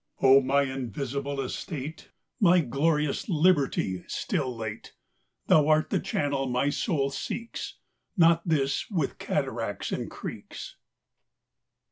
O my invisible estate. My glorious liberty, still late! Thou art the channel my soul seeks. Not this with catai'acts and creeks.